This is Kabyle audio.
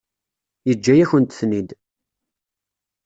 Yeǧǧa-yakent-ten-id.